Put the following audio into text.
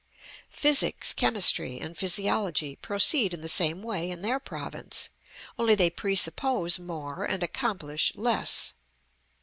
Physics, chemistry, and physiology proceed in the same way in their province, only they presuppose more and accomplish less.